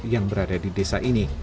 yang berada di desa